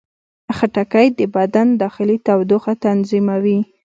خټکی د بدن داخلي تودوخه تنظیموي.